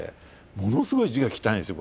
ものすごい字が汚いんですよ